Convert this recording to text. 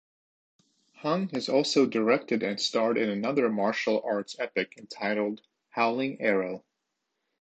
Hung has also directed and starred in another martial arts epic entitled "Howling Arrow".